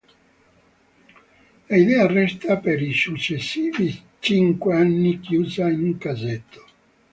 L'idea resta per i successivi cinque anni chiusa in un cassetto.